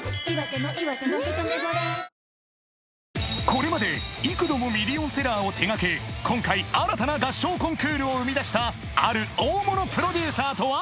これまで幾度もミリオンセラーを手がけ今回新たな合唱コンクールを生み出したある大物プロデューサーとは？